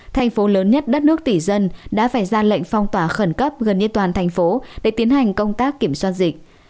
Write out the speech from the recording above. thành phố lớn nhất đất nước tỷ dân đã phải ra lệnh phong tỏa khẩn cấp gần như toàn thành phố để tiến hành công tác kiểm soát dịch